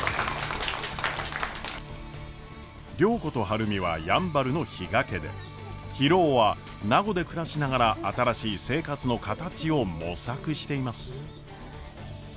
良子と晴海はやんばるの比嘉家で博夫は名護で暮らしながら新しい生活の形を模索しています。